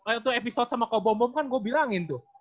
itu episode sama kau bom bom kan gue bilangin tuh